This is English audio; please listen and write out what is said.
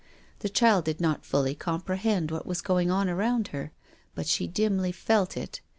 The child did not fully comprehend what was going on around her, but she dimly felt it.